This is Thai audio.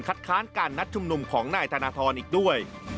ค้านการนัดชุมนุมของนายธนทรอีกด้วย